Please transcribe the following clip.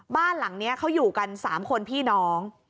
บ้านหลังนี้เขาอยู่กัน๓คนพี่น้อง